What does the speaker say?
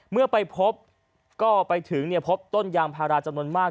เมื่อไปพบก็ไปถึงพบต้นยางพาราจำนวนมาก